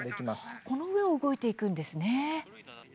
この上を動いていくんですね。